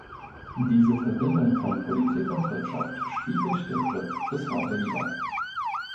Diese Verbindung von Politik und Wirtschaft spiegelt der Club bis heute wider.